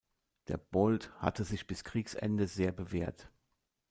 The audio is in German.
Der Bold hatte sich bis Kriegsende sehr bewährt.